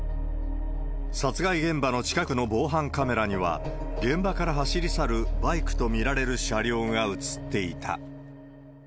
殺害現場の近くの防犯カメラには、現場から走り去るバイクと見られる車両が映っていた。